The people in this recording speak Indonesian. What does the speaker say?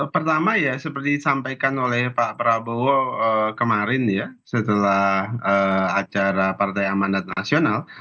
pertama ya seperti disampaikan oleh pak prabowo kemarin ya setelah acara partai amanat nasional